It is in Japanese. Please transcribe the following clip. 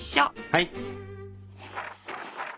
はい。